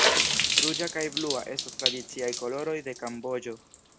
Ruĝa kaj blua estas tradiciaj koloroj de Kamboĝo.